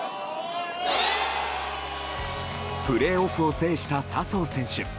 プレーオフを制した笹生選手。